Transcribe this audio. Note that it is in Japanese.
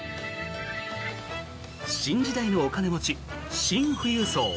新時代のお金持ち、シン富裕層。